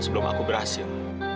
sebelum aku berhasil